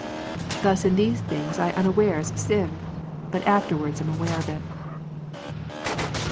Thus in these things I unawares sin, but afterwards am aware of it. 50.